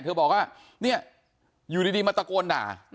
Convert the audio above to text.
บอกว่าเนี่ยอยู่ดีมาตะโกนด่า